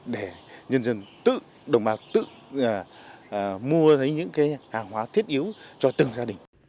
để nhân dân tự đồng bào tự mua thấy những hàng hóa thiết yếu cho từng gia đình